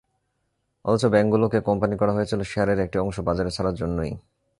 অথচ ব্যাংকগুলোকে কোম্পানি করা হয়েছিল শেয়ারের একটি অংশ বাজারে ছাড়ার জন্যই।